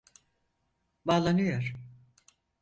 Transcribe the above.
Bağlanıyor.